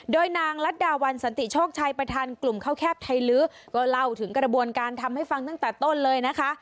โดยนางรัฐดาวันสันติโชคชัยประธานกลุ่มข้าวแคบไทยลื้อก็เล่าถึงกระบวนการทำให้ฟังตั้งแต่ต้นเลยนะคะ